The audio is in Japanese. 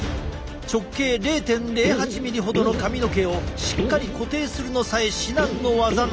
直径０．０８ミリほどの髪の毛をしっかり固定するのさえ至難の業なのだ。